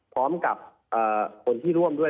พร้อมกับคนที่ร่วมด้วย